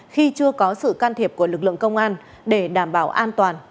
khi chưa có sự can thiệp của lực lượng công an để đảm bảo an toàn